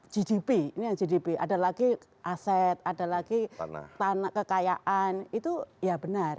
gdp ini yang gdp ada lagi aset ada lagi tanah kekayaan itu ya benar